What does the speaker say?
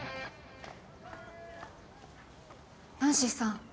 ナンシーさん。